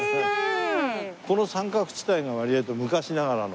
この三角地帯が割と昔ながらの。